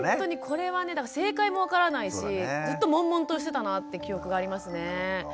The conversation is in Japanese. これはねだから正解も分からないしずっともんもんとしてたなって記憶がありますね。